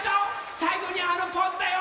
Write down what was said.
さいごにあのポーズだよ！